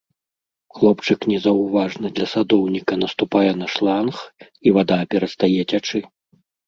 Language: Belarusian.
Хлопчык незаўважна для садоўніка наступае на шланг, і вада перастае цячы.